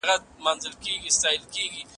د رواني درملنې دوامدارې ناستې اغېزمنې وي.